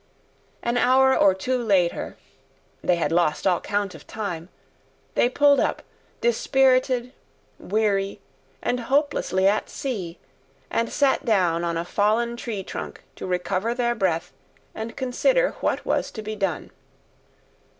An hour or two later—they had lost all count of time—they pulled up, dispirited, weary, and hopelessly at sea, and sat down on a fallen tree trunk to recover their breath and consider what was to be done.